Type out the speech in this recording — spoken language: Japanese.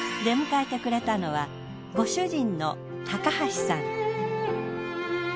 出迎えてくれたのはご主人の高橋さん。